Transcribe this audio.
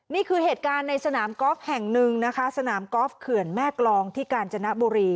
นี่คือเหตุการณ์ในสนามกอล์ฟแห่งหนึ่งนะคะสนามกอล์ฟเขื่อนแม่กรองที่กาญจนบุรี